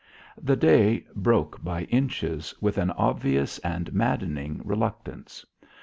The day broke by inches, with an obvious and maddening reluctance.